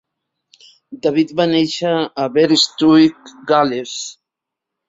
David va néixer a Aberystwyth, Gal·les.